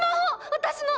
私の！